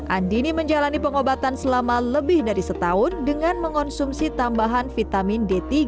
andini menjalani pengobatan selama lebih dari setahun dengan mengonsumsi tambahan vitamin d tiga